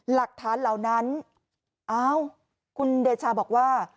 หลักฐานเหล่านั้นอ้าวคุณเดชาบอกว่า